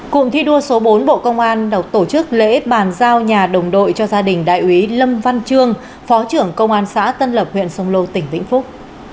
cụm thi đua số bốn bộ công an đọc tổ chức lễ bàn giao nhà đồng đội cho gia đình đại ủy lâm văn trương phó trưởng công an xã tân lập huyện sông lô tỉnh vĩnh phúc